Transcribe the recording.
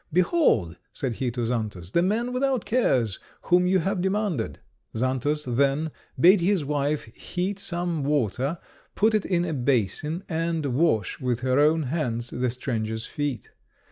"Behold," said he to Xantus, "the man without cares whom you have demanded." Xantus then bade his wife heat some water, put it in a basin, and wash with her own hands the stranger's feet.